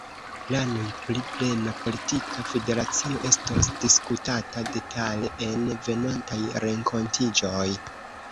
Planoj pri plena politika federacio estos diskutata detale en venontaj renkontiĝoj.